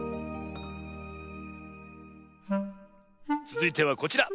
つづいてはこちら。